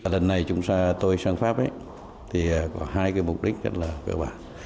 lần này tôi sang pháp có hai mục đích rất là cơ bản